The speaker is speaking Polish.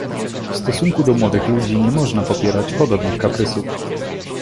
"W stosunku do młodych ludzi nie można popierać podobnych kaprysów."